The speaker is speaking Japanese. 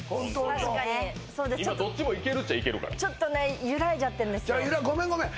確かに今どっちもいけるっちゃいけるからちょっとね揺らいじゃってるんですよごめんごめん